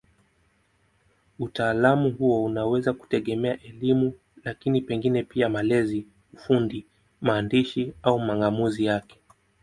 Utaalamu huo unaweza kutegemea elimu, lakini pengine pia malezi, ufundi, maandishi au mang'amuzi yake.